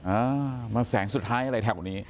อ่ามาแสงสุดท้ายอะไรแถวนี้